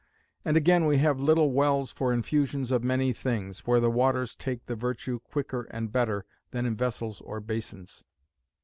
And again we have little wells for infusions of many things, where the waters take the virtue quicker and better, than in vessels or basins.